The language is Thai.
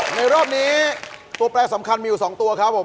ในรอบนี้ตัวแปลสำคัญมีอีกสองตัวครับ